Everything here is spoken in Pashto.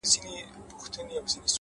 مهرباني د انسان تر ټولو لویه ژبه ده’